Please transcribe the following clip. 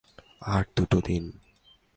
আর দুটো দিন।